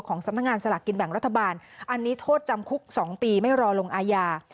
สำนักงานสลากกินแบ่งรัฐบาลอันนี้โทษจำคุก๒ปีไม่รอลงอาญา